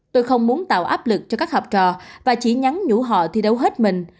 tôi không muốn tạo áp lực cho các học trò và chỉ nhắn nhủ họ thi đấu hết mình